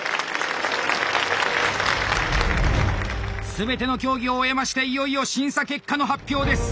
全ての競技を終えましていよいよ審査結果の発表です！